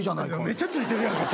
めっちゃ付いてるやんか。